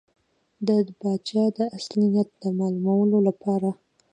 ده د پاچا د اصلي نیت د معلومولو لپاره.